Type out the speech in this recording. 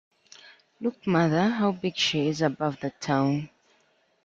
Look, mother, how big she is above the town!